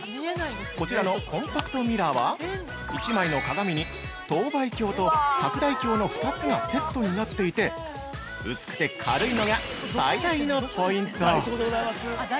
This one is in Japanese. こちらのコンパクトミラーは１枚の鏡に、等倍鏡と拡大鏡の２つがセットになっていて薄くて軽いのが最大のポイント。